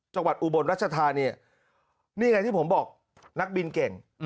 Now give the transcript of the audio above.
อุบลรัชธานีนี่ไงที่ผมบอกนักบินเก่ง